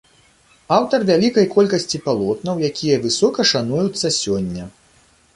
Аўтар вялікай колькасці палотнаў, якія высока шануюцца сёння.